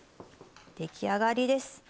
出来上がりです。